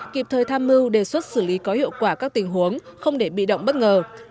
kịp thời tham mưu đề xuất xử lý có hiệu quả các tình huống không để bị động bất ngờ